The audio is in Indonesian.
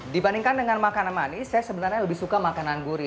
dibandingkan dengan makanan manis saya sebenarnya lebih suka makanan gurih